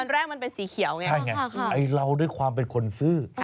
แรกมันเป็นสีเขียวไงใช่ไงไอ้เราด้วยความเป็นคนซื้อ